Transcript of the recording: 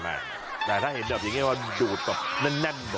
มาถ้าเห็นแบบอย่างนี้ว่าดูดตกนั่นบอก